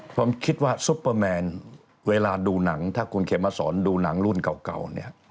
ผมคิดว่าซุปเปอร์แมนเวลาดูหนังถ้าคุณเขมสอนดูหนังรุ่นเก่าเนี่ย